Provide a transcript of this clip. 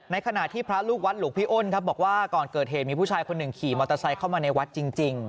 ขณะที่พระลูกวัดหลวงพี่อ้นครับบอกว่าก่อนเกิดเหตุมีผู้ชายคนหนึ่งขี่มอเตอร์ไซค์เข้ามาในวัดจริง